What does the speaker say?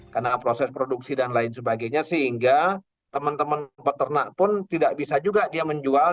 karena proses produksi dan lain sebagainya sehingga teman teman peternak pun tidak bisa juga dia menjual